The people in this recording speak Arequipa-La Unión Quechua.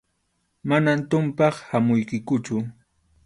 Manam tumpaq hamuykikuchu.